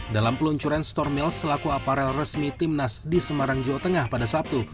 dalam peluncuran storm mills selaku aparel resmi tim nasional di semarang jawa tengah pada sabtu